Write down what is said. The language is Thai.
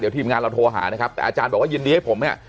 ทีมงานเราโทรหานะครับแต่อาจารย์บอกว่ายินดีให้ผมเนี่ย